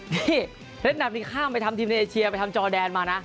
นี่เร็ดหนับนี้ก็ห้ามไปทำทีมส์ในเอเชียไปทำด์เจาะแดนด์มานะ